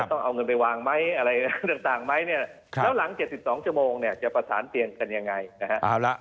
ต้องเอาเงินไปวางไหมอะไรต่างแล้วหลัง๗๒จักรจะฝาสารเปลี่ยนกันอย่างไร